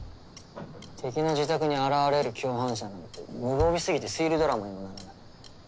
敵の自宅に現れる共犯者なんて無防備すぎて推理ドラマにもならない。